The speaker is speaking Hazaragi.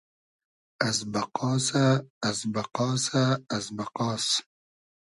از بئقاسۂ از بئقاسۂ از بئقاس